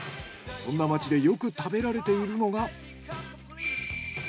そんな町でよく食べられているのが。